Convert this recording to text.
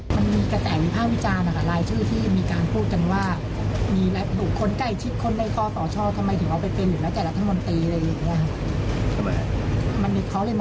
มันมีกระแจมีภาควิจารณ์อ่ะรายชื่อที่มีการพูดกันว่ามีและถูกคนไกลที่คนในข้อสอชอบทำไมถึงเอาไปเป็นหรือแล้วแต่ละทะมนตร์ปีเลยนะครับ